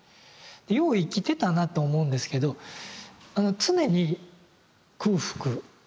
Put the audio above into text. よう生きてたなと思うんですけどあの常に空腹。